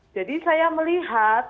jadi saya melihatnya